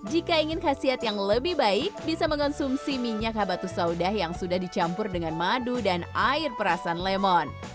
jika ingin khasiat yang lebih baik bisa mengonsumsi minyak habatus saudah yang sudah dicampur dengan madu dan air perasan lemon